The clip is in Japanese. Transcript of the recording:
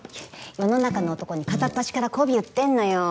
世の中の男に片っ端からこび売ってんのよ